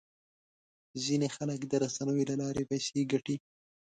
ځینې خلک د رسنیو له لارې پیسې ګټي.